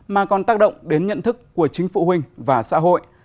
mà còn tác động đến nhận thức của chính phụ huynh và xã hội